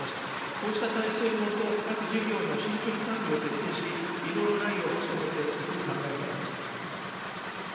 こうした体制の下、各事業の進捗管理を徹底し、遺漏のないよう努めていく考えであります。